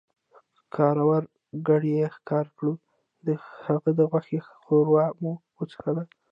ښکرور ګډ ئې ښکار کړو، د هغه د غوښې ښوروا مو وڅښله